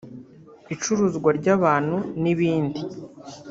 icuruzwa ry’abantu n’ibindi